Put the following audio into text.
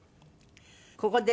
ここでね